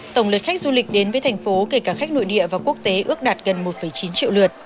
tổng lượt khách du lịch đến với thành phố kể cả khách nội địa và quốc tế ước đạt gần một chín triệu lượt